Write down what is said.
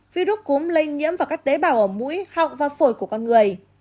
virus cúm lây nhiễm vào các tế bào ở mũi họng và phổi của con người